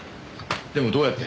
でもどうやって？